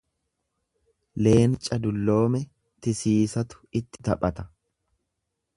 Leenca dulloome tisiisatu itti taphata.